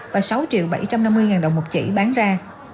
và sáu triệu bảy trăm năm mươi đồng một chỉ bán ra